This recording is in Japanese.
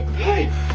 はい！